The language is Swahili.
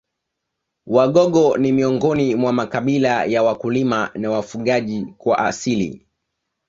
Wagogo ni miongoni mwa makabila ya wakulima na wafugaji kwa asili